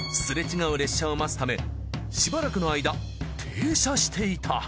すれ違う列車を待つためしばらくの間停車していた。